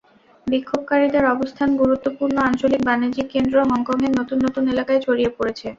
বিক্ষোভকারীদের অবস্থান গুরুত্বপূর্ণ আঞ্চলিক বাণিজ্যিক কেন্দ্র হংকংয়ের নতুন নতুন এলাকায় ছড়িয়ে পড়েছে।